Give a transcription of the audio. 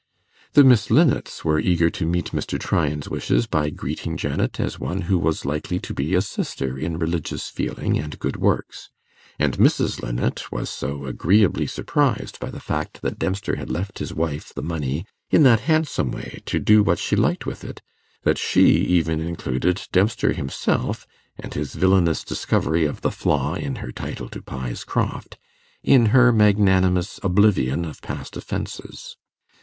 The Miss Linnets were eager to meet Mr. Tryan's wishes by greeting Janet as one who was likely to be a sister in religious feeling and good works; and Mrs. Linnet was so agreeably surprised by the fact that Dempster had left his wife the money 'in that handsome way, to do what she liked with it,' that she even included Dempster himself, and his villanous discovery of the flaw in her title to Pye's Croft, in her magnanimous oblivion of past offences.